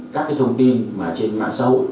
các thông tin trên mạng xấu